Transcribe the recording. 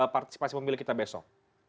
partisipasi pemilih kita besok